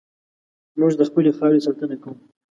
موږ د خپلې خاورې ساتنه کوو.